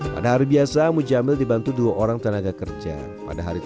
pada hari biasa mujamil dibantu dua orang tenaga kerja